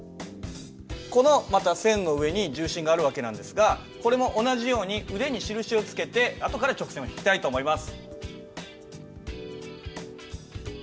このまた線の上に重心がある訳なんですがこれも同じように腕に印を付けてあとから直線を引きたいと思います。